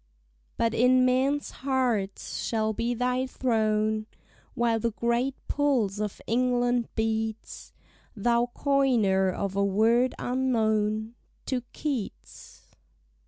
But in men's hearts shall be thy throne, While the great pulse of England beats: Thou coiner of a word unknown To Keats!